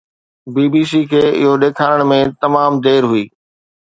بي B C کي اهو ڏيکارڻ ۾ تمام دير هئي.